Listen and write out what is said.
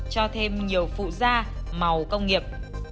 cho thêm nhiều phụ da màu công nghiệp